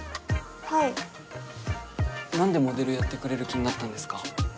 はいなんでモデルやってくれる気になったんですか？